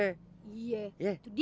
iya itu dia